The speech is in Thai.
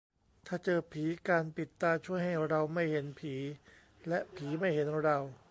ถ้าเจอผี การปิดตาช่วยให้เราไม่เห็นผี และผีไม่เห็นเรา